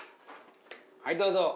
はいどうぞ。